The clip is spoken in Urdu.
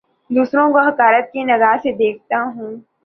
دوسروں کو حقارت کی نگاہ سے دیکھتا ہوں